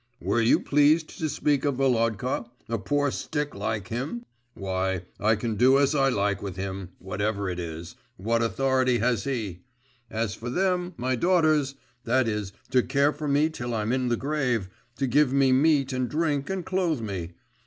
'Were you pleased to speak of Volodka? A poor stick like him? Why, I can do as I like with him, whatever it is … what authority has he? As for them, my daughters, that is, to care for me till I'm in the grave, to give me meat and drink, and clothe me.